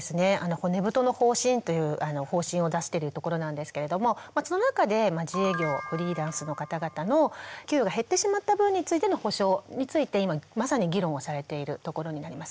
骨太の方針という方針を出してるところなんですけれどもその中で自営業フリーランスの方々の給料が減ってしまった分についての補償について今まさに議論をされているところになります。